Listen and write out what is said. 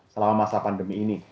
selama masa pandemi ini